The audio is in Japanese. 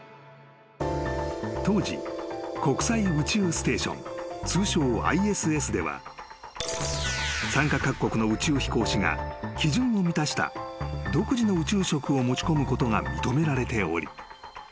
［当時国際宇宙ステーション通称ＩＳＳでは参加各国の宇宙飛行士が基準を満たした独自の宇宙食を持ち込むことが認められており］